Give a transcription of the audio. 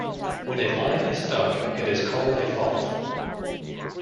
When a line is stuck it is called a fault.